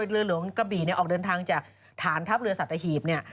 เรือเหลวงกะบี่เนี่ยออกเดินทางจากฐานทัพเรือสัตว์อาถีย์